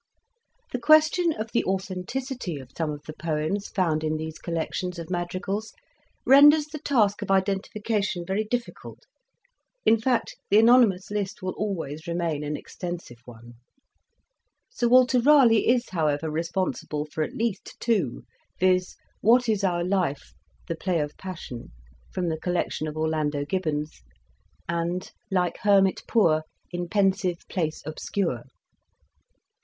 The question of the authenticity of some of the poems found in these collections of madrigals renders the task of identification very difficult, in fact the anonymous list will always remain an exten sive one ; Sir Walter Raleigh is, however, responsible for at least two, viz :" What is our life? the play of passion," from the collection of Orlando Gibbons, and '' Like hermit poor in pensive place obscure."